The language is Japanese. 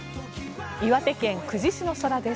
岩手県久慈市の空です。